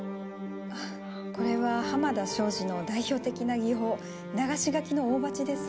これは濱田庄司の代表的な技法流描の大鉢です。